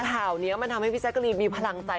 ข่าวนี้มันทำให้พี่แจ๊กรีนมีพลังใจ